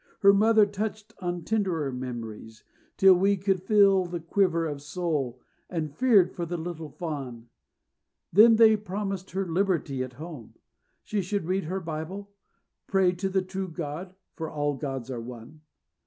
Her mother touched on tenderer memories, till we could feel the quiver of soul, and feared for the little Fawn. Then they promised her liberty at home. She should read her Bible, pray to the true God, "for all gods are one."